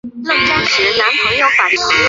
加入中国共产党。